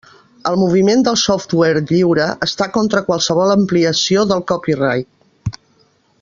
El moviment del software lliure està contra qualsevol ampliació del copyright.